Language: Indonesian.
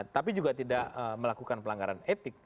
tapi juga tidak melakukan pelanggaran etik